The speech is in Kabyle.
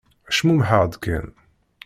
Cmumḥeɣ-d kan.